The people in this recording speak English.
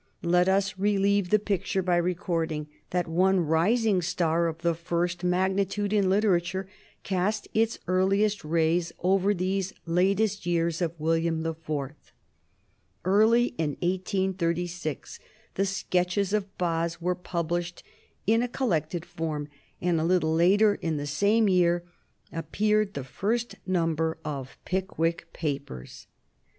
Let us relieve the picture by recording that one rising star of the first magnitude in literature cast its earliest rays over these latest years of William the Fourth. Early in 1836 the "Sketches by Boz" were published in a collected form, and a little later in the same year appeared the first number of "The Pickwick Papers."